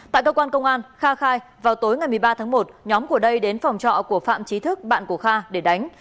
tại cơ quan công an kha khai vào tối ngày một mươi ba tháng một nhóm của đây đến phòng trọ của phạm trí thức bạn của kha để đánh